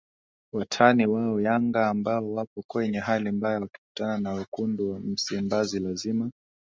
watani wao Yanga ambao wapo kwenye hali mbaya wakikutana na Wekundu wa Msimbazi lazima